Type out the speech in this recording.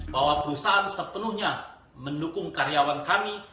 bahwa perusahaan sepenuhnya mendukung karyawan kami